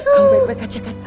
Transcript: kau baik baik aja kan